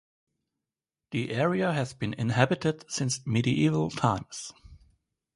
The area has been inhabited since medieval times.